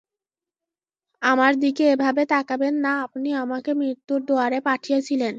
আমার দিকে এভাবে তাকাবেন না আপনি আমাকে মৃত্যুর দোয়ারে পাঠিয়েছিলেন!